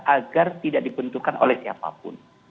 agar tidak dibentukkan oleh siapapun